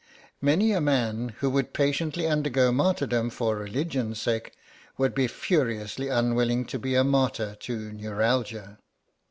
Many a man who would patiently undergo martyrdom for religion's sake would be furiously unwilling to be a martyr to neuralgia.